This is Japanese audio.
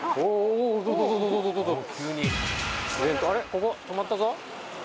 ここ止まったぞ。